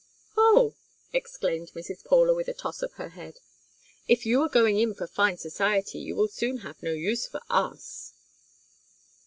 "Oh!" exclaimed Mrs. Paula, with a toss of her head. "If you are going in for fine society you will soon have no use for us."